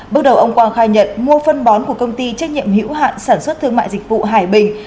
bước đầu ông quang khai nhận mua phân bón của công ty trách nhiệm hữu hạn sản xuất thương mại dịch vụ hải bình